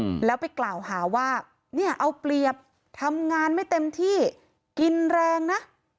อืมแล้วไปกล่าวหาว่าเนี่ยเอาเปรียบทำงานไม่เต็มที่กินแรงนะ